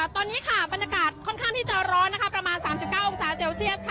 ตอนนี้บรรยากาศค่อนข้างที่จะร้อนประมาณ๓๙องศาเซลเซียส